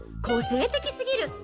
個性的すぎる！